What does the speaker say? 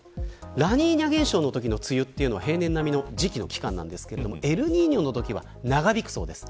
ラニーニャ現象のときの梅雨は平年並みの時期の期間なんですがエルニーニョのときは長引くそうです。